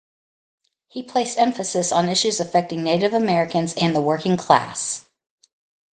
He placed emphasis on issues affecting Native Americans and the working class.